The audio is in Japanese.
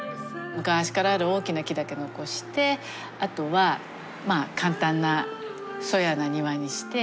昔からある大きな木だけ残してあとはまあ簡単な粗野な庭にして。